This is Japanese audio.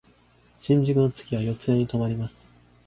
新宿の次は四谷に止まります。